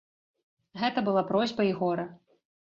Гэта была просьба і гора.